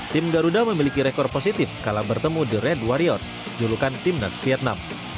tim garuda memiliki rekor positif kalah bertemu the red warriors judulkan tim nas vietnam